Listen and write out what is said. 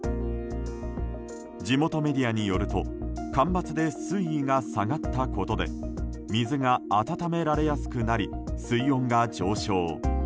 地元メディアによると干ばつで水位が下がったことで水が温められやすくなり水温が上昇。